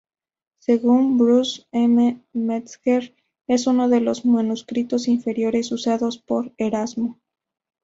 Según Bruce M. Metzger, es uno de los manuscritos inferiores usados por Erasmo.